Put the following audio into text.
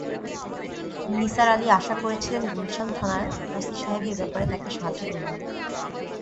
নিসার আলি আশা করেছিলেন গুলশান থানার ওসি সাহেব এ-ব্যাপারে তাঁকে সাহায্য করবেন।